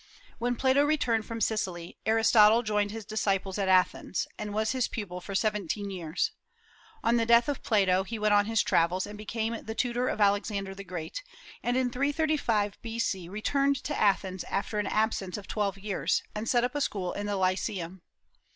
When Plato returned from Sicily Aristotle joined his disciples at Athens, and was his pupil for seventeen years. On the death of Plato, he went on his travels and became the tutor of Alexander the Great, and in 335 B.C. returned to Athens after an absence of twelve years, and set up a school in the Lyceum.